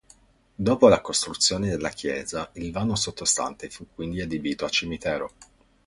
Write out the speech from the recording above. Dopo la costruzione della chiesa il vano sottostante fu quindi adibito a cimitero.